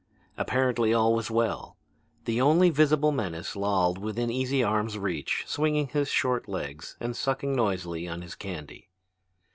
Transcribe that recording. Apparently all was well: the only visible menace lolled within easy arm's reach, swinging his short legs and sucking noisily on his candy.